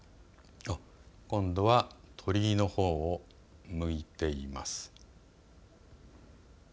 今度は鳥居のほうを向いています。